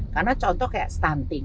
karena contoh kayak stunting